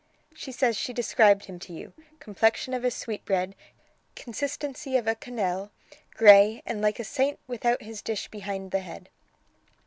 "She says she described him to you. 'Complexion of a sweetbread, consistency of a quenelle, grey, and like a Saint without his dish behind the head.'"